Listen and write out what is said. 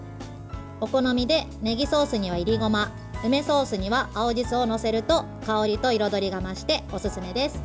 お好みでねぎソースには、いりごま梅ソースには青じそをのせると香りと彩りが増しておすすめです。